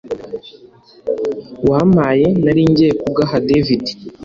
wampaye naringiye kugaha david